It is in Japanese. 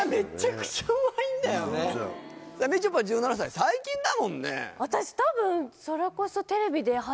みちょぱ１７歳最近だもんね。すごいな！